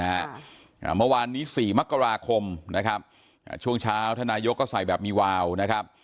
อ่าเมื่อวานนี้สี่มกราคมนะครับอ่าช่วงเช้าท่านนายกก็ใส่แบบมีวาวนะครับ